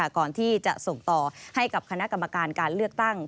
ก่อนที่จะส่งต่อให้กับคณะกรรมการการเลือกตั้ง